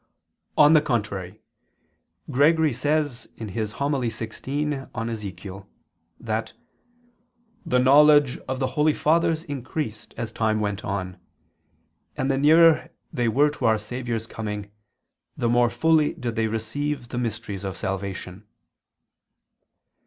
On the contrary, Gregory says (Hom. xvi in Ezech.) that "the knowledge of the holy fathers increased as time went on ... and the nearer they were to Our Savior's coming, the more fully did they receive the mysteries of salvation."